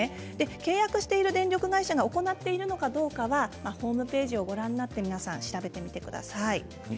契約している電力会社が行っているかどうかはホームページをご覧になって調べてみてください。